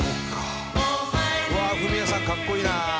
「うわフミヤさんかっこいいな」